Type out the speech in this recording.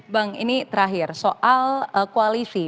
bang ini terakhir soal koalisi